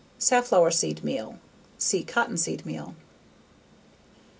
Safflowerseed meal. See _Cottonseed meal.